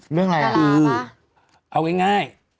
แม่นด่วนคือเอาง่าย